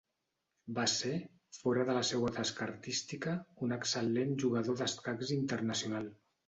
Va ser, fora de la seua tasca artística, un excel·lent jugador d'escacs internacional.